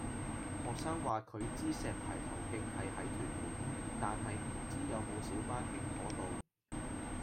學生話佢知石排頭徑係喺屯門，但係唔知有冇小巴經嗰度